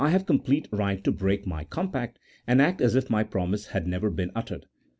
have complete right to break my compact, and act as if my promise had never been uttered.